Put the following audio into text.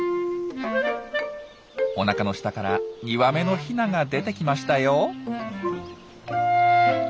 おなかの下から２羽目のヒナが出てきましたよ。